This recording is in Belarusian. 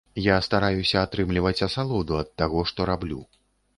Я стараюся атрымліваць асалоду ад таго, што раблю.